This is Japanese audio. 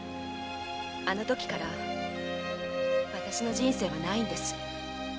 あのときから私の人生はないんです。